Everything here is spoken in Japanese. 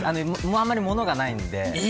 あまり、物がないんで。